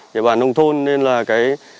địa bàn nông thôn nên là